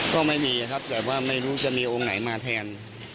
ก็ไม่มีครับแต่ว่าไม่รู้จะมีองค์ไหนมาแทน